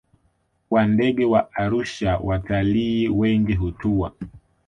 wa ndege wa Arusha Watalii wengi hutua